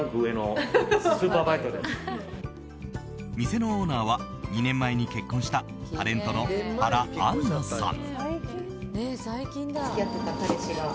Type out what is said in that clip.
店のオーナーは２年前に結婚したタレントの原アンナさん。